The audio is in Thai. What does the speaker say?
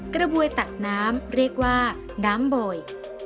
กระบวยตักน้ำเรียกว่าน้ำบ่อย